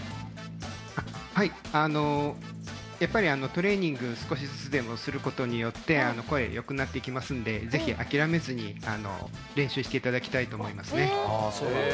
やっぱり、トレーニングを少しずつでもすることによって声はよくなっていきますのでぜひ、諦めずに練習していただきたいと思います。